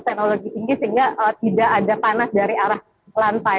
teknologi tinggi sehingga tidak ada panas dari arah lantai